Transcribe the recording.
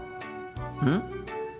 うん？